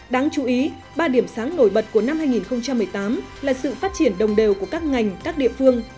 đáng chú ý ba điểm sáng nổi bật của năm hai nghìn một mươi tám là sự phát triển đồng đều của các ngành các địa phương